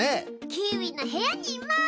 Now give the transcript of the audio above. キーウィのへやにいます！